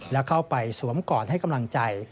และเข้าไปสวมกอดให้กำลังใจ